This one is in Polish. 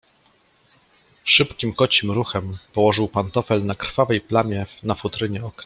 "Szybkim, kocim ruchem położył pantofel na krwawej plamie na futrynie okna."